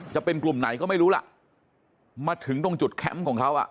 จะเป็นกลุ่มไหนก็ไม่รู้ล่ะมาถึงตรงจุดแคมป์ของเขาอ่ะ